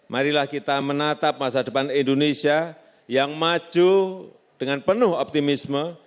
marilah kita menatap masa depan indonesia yang maju dengan penuh optimisme